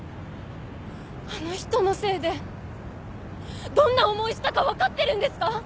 あの人のせいでどんな思いしたか分かってるんですか！